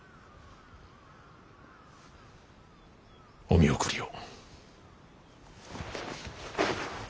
お見送りを。